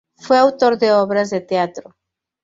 Fue autor de obras de teatro.